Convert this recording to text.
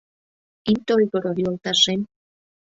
Ит ойгыро, йолташем.